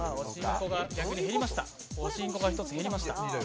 おしんこが１つ減りました。